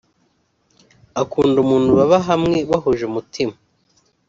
Akunda umuntu baba hamwe bahuje umutima